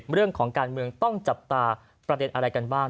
เรื่องของการเมืองต้องจับตาประเด็นอะไรกันบ้าง